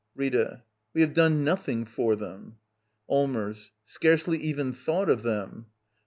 Rita. We have done nothing for them. Allmers. Scarcely even thought of them.